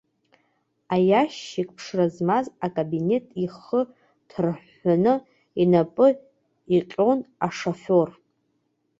Аиашьыкь ԥшра змаз акабина ихы ҭырҳәҳәаны, инапы иҟьон ашофер.